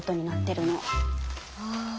ああ。